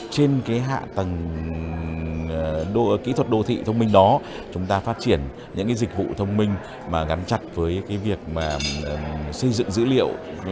trên hạ tầng kỹ thuật đô thị thông minh đó chúng ta phát triển những dịch vụ thông minh gắn chặt với việc xây dựng dữ liệu